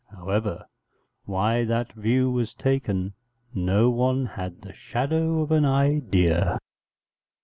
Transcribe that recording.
However, why that view was taken no one had the shadow of an idea.